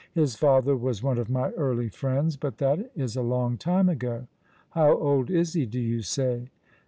" His father was one of my early friends. But that is a long time ago.'* " How old is he, do you say